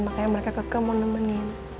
makanya mereka kekep mau nemenin